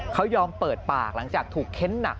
เขายอมเปิดปากหลังจากถูกเค้นหนัก